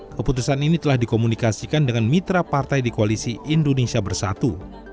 keputusan ini telah dikomunikasikan dengan mitra partai di koalisi indonesia bersatu